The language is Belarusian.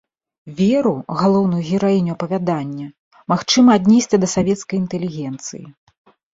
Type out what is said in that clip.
Веру, галоўную гераіню апавядання, магчыма аднесці да савецкай інтэлігенцыі.